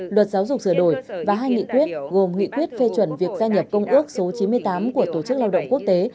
luật giáo dục sửa đổi và hai nghị quyết gồm nghị quyết phê chuẩn việc gia nhập công ước số chín mươi tám của tổ chức lao động quốc tế